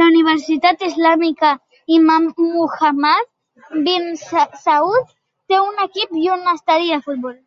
La Universitat Islàmica Imam Muhammad bin Saud té un equip i un estadi de futbol.